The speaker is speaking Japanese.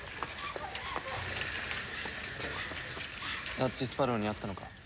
ナッジスパロウに会ったのか？